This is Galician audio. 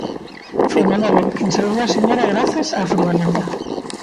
Foi Manolo quen salvou a señora grazas á furgoneta.